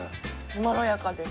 まろやかです。